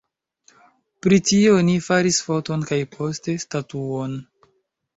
Pri tio oni faris foton kaj poste statuon.